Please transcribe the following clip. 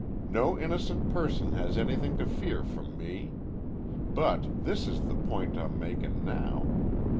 No innocent person has anything to fear from me. But this is the point I'm makin' now.